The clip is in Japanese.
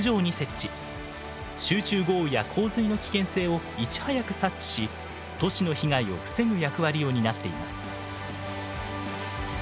集中豪雨や洪水の危険性をいち早く察知し都市の被害を防ぐ役割を担っています。